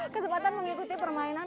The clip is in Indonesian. kesempatan mengikuti permainan